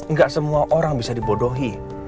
nggak semua orang bisa dibodohi